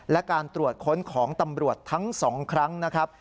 และการตรวจค้นของตำรวจทั้ง๒ครั้งนะครับ